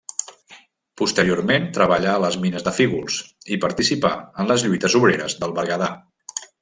Posteriorment treballà a les mines de Fígols i participà en les lluites obreres del Berguedà.